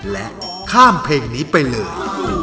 และข้ามเพลงนี้ไปเลย